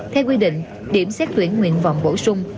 theo quy định điểm xét tuyển nguyện vọng bổ sung